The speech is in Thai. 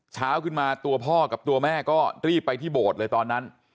เช้าขึ้นมาตัวพ่อกับตัวแม่ก็รีบไปที่โบสถ์เลยตอนนั้น